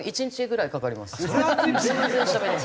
１日ぐらいかかりますね。